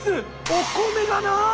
お米がない！